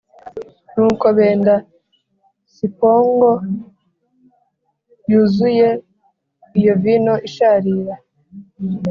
Nuko benda sipongo yuzuye iyo vino isharira